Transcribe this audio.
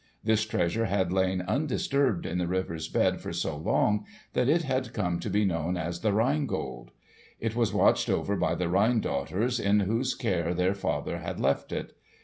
This treasure had lain undisturbed in the river's bed for so long that it had come to be known as the Rhine Gold. It was watched over by the Rhine Daughters, in whose care their father had left it.